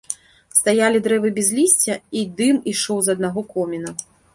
Стаялі дрэвы без лісця, і дым ішоў з аднаго коміна.